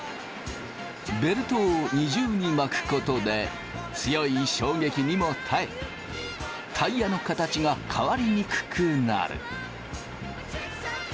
ベルトを２重に巻くことで強い衝撃にも耐えタイヤの形が変わりにくくなる。